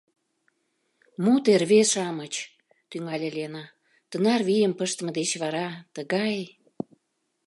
— Мо те, рве-шамыч, — тӱҥале Лена, — тынар вийым пыштыме деч вара, тыгай...